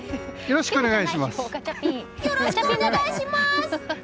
よろしくお願いします！